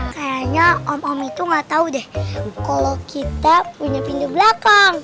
kayaknya om om itu gatau deh kalo kita punya pintu belakang